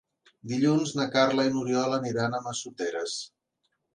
Dilluns na Carla i n'Oriol aniran a Massoteres.